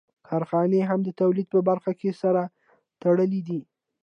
کارخانې هم د تولید په برخه کې سره تړلې دي